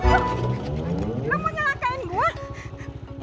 lu mau nyalakain gua